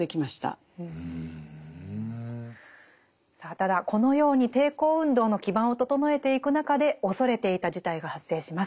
ただこのように抵抗運動の基盤を整えていく中で恐れていた事態が発生します。